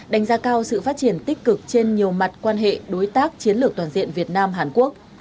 đánh giá cao sự phát triển tích cực trên nhiều mặt quan hệ đối tác chiến lược toàn diện việt nam hàn quốc